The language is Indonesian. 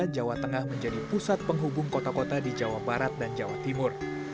jawa tengah menjadi pusat penghubung kota kota di jawa barat dan jawa timur